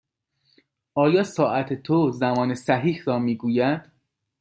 آیا ساعت تو زمان صحیح را می گوید؟